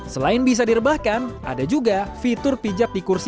selain bisa direbahkan ada juga fitur pijat di kursi